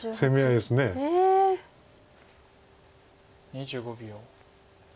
２５秒。